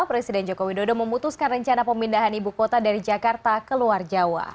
presiden joko widodo memutuskan rencana pemindahan ibu kota dari jakarta ke luar jawa